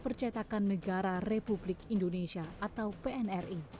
percetakan negara republik indonesia atau pnri